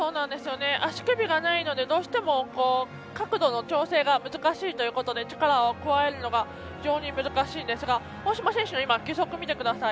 足首がないのでどうしても角度の調整が難しいということで力を加えるのが非常に難しいんですが大島選手の義足を見てください。